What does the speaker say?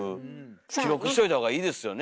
記録しといたほうがいいですよね。